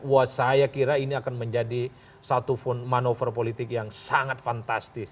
wah saya kira ini akan menjadi satu manuver politik yang sangat fantastis